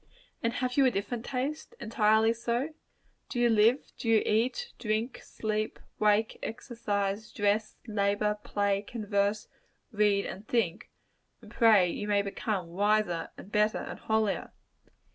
And have you a different taste entirely so? Do you live do you eat, drink, sleep, wake, exercise, dress, labor, play, converse, read, and think, and pray that you may become wiser, and better, and holier?